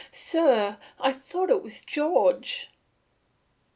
"Sir, I thought it was George."